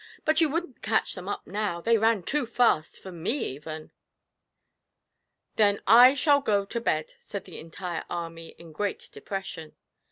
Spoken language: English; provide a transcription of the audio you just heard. But you wouldn't catch them up now; they ran too fast for me even!' 'Then I shall go to bed,' said the entire army, in great depression.